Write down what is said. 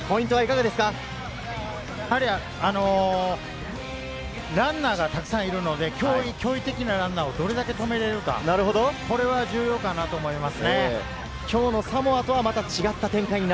やはりランナーがたくさんいるので、脅威的なランナーをどれだけ止められるか、これが重要だなと思います。